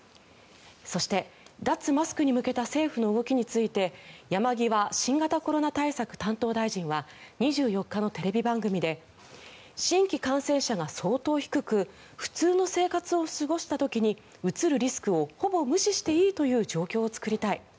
そして、脱マスクに向けた政府の動きについて山際新型コロナ対策担当大臣は２４日のテレビ番組で新規感染者が相当低く普通の生活を過ごした時にうつるリスクをほぼ無視していいという状況を作りたい。